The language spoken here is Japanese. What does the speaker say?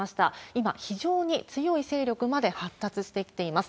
今、非常に強い勢力まで発達してきています。